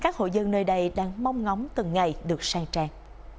người đang mong ngóng từng ngày được sang trang